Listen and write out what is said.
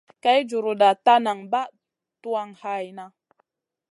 Kay juruda ta nan bah tuwan hayna.